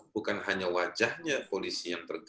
bukan hanya wajahnya polisi yang terganggu